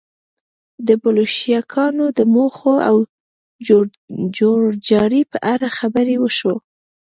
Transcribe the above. د بلشویکانو د موخو او جوړجاړي په اړه خبرې وشوې